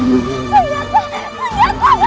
itu pasti mengasihkan